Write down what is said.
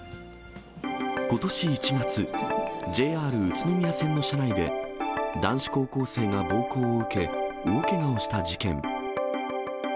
ことし１月、ＪＲ宇都宮線の車内で、男子高校生が暴行を受け、大けがをした事件。